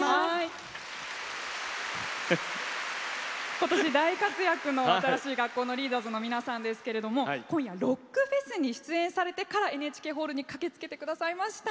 今年大活躍の新しい学校のリーダーズの皆さんですけれど今夜はロックフェスに出演されてからＮＨＫホールに駆けつけてくださいました。